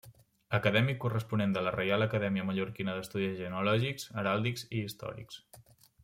Acadèmic Corresponent de la Reial Acadèmia Mallorquina d'Estudis Genealògics, Heràldics i Històrics.